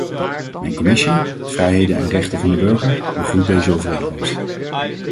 Mijn commissie, vrijheden en rechten van de burger, begroet deze overeenkomst.